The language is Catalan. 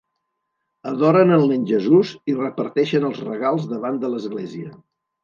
Adoren el Nen Jesús i reparteixen els regals davant de l'església.